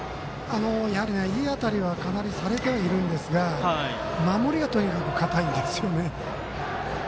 やはり、いい当たりはかなりされてはいるんですが守りがとにかく堅いんですよね。